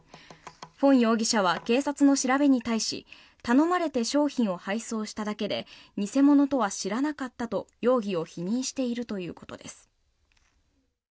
フォン容疑者は警察の調べに対し頼まれて商品を配送しただけで偽物とは知らなかったと、容疑を否認しているということです。